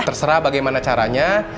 terserah bagaimana caranya